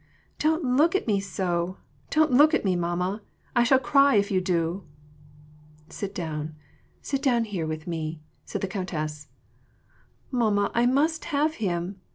''Don't look at me so! Don't look at me, mamma; I shall cry if you do !"" Sit down, sit down with me here," said the countess. ''Mamma, I must have him.